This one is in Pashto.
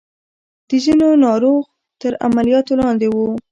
د ځينو ناروغ تر عملياتو لاندې وو.